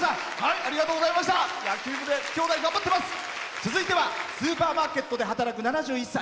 続いてはスーパーマーケットで働く７１歳。